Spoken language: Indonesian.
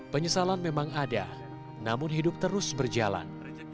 penyesalan memang ada namun hidup terus berjalan